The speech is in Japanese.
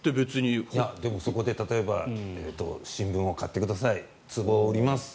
そこで例えば新聞を買ってくださいつぼを売ります。